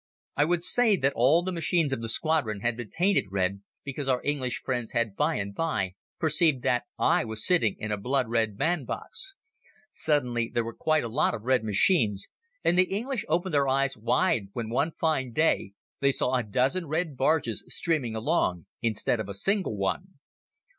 I would say that all the machines of the squadron had been painted red because our English friends had by and by perceived that I was sitting in a blood red band box. Suddenly there were quite a lot of red machines and the English opened their eyes wide when one fine day they saw a dozen red barges steaming along instead of a single one.